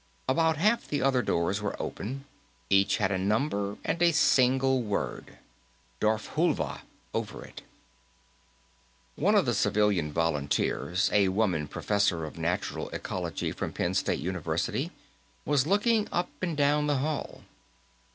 About half the other doors were open; each had a number and a single word, Darfhulva, over it. One of the civilian volunteers, a woman professor of natural ecology from Penn State University, was looking up and down the hall.